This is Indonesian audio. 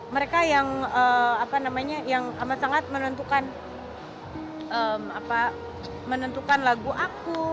mereka yang amat sangat menentukan lagu aku